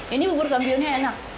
ini bubur kampiunnya enak